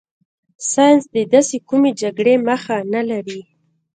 ساینس د داسې کومې جګړې مخه نه لري.